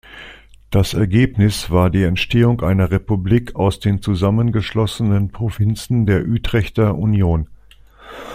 Das Ergebnis war die Entstehung einer Republik aus den zusammengeschlossenen Provinzen der Utrechter Union.